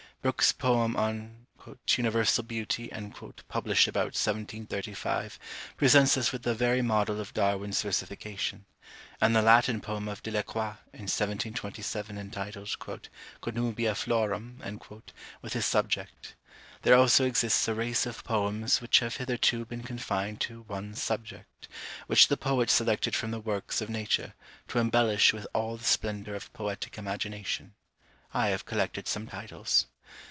Brookes's poem on "Universal Beauty," published about 1735, presents us with the very model of Darwin's versification: and the Latin poem of De la Croix, in 1727, entitled "Connubia Florum," with his subject. There also exists a race of poems which have hitherto been confined to one subject, which the poet selected from the works of nature, to embellish with all the splendour of poetic imagination. I have collected some titles.